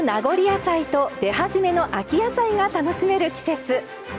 野菜と出始めの秋野菜が楽しめる季節。